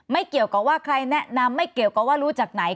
ไม่เกี่ยวกับว่าใครแนะนำไม่เกี่ยวกับว่ารู้จักไหน